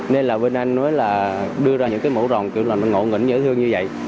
nên là bên anh nói là đưa ra những cái mẫu rồng kiểu là mình ngộ ngỉnh dễ thương như vậy